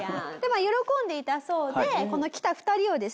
喜んでいたそうでこの来た２人をですね